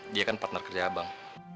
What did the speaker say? dia kan partner kerja abang